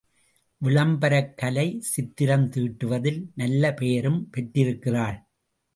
விளம்பரக் கலை சித்திரம் தீட்டுவதில் நல்ல பெயரும் பெற்றிருக்கிறாள்.